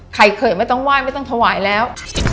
เขยไม่ต้องไหว้ไม่ต้องถวายแล้ว